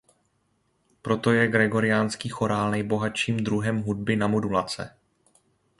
Proto je gregoriánský chorál nejbohatším druhem hudby na modulace.